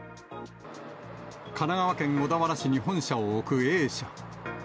神奈川県小田原市に本社を置くＡ社。